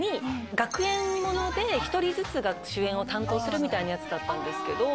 学園物で１人ずつが主演を担当するみたいなやつだった。